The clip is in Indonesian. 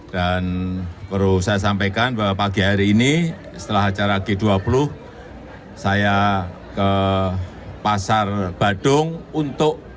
dan perlu saya sampaikan bahwa pagi hari ini setelah acara g dua puluh saya ke pasar badung untuk